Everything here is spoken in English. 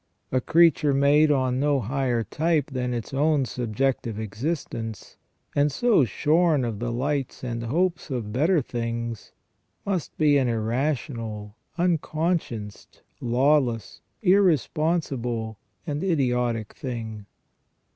A creature made on no higher type than its own subjective existence, and so shorn of the lights and hopes of better things, must be an irrational, unconscienced, lawless, irre sponsible, and idiotic thing.